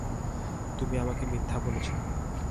তুমি আমাকে মিথ্যা বলেছ।